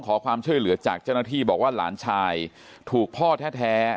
ขอความช่วยเหลือจากเจ้าหน้าที่บอกว่าหลานชายถูกพ่อแท้